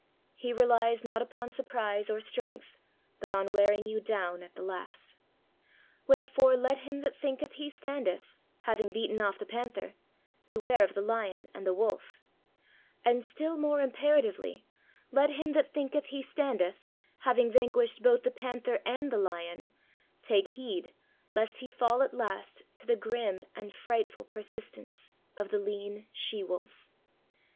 He relies not upon surprise or strength, but on wearing you down at the last. Wherefore, let him that thinketh he standeth having beaten off the panther beware of the lion and the wolf. And, still more imperatively, let him that thinketh he standeth having vanquished both the panther and the lion take heed lest he fall at last to the grim and frightful persistence of the lean she wolf.